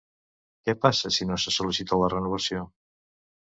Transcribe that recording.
Què passa si no se sol·licita la renovació?